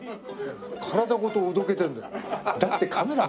体ごとおどけてるんだよ。